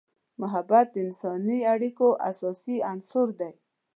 محبت د انسانی اړیکو اساسي عنصر دی.